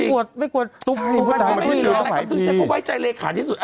ใครจะไว้ใจที่สุด